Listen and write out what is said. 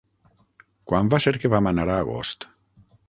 Quan va ser que vam anar a Agost?